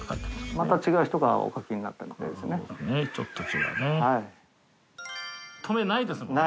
また違う人がお書きになったちょっとね。